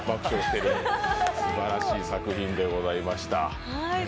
すばらしい作品でございました。